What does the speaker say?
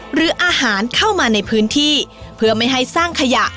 หรืออาหารเข้ามาในพื้นที่เพื่อไม่ให้สร้างขยะ